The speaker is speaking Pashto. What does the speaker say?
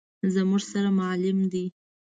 _زموږ سر معلم دی.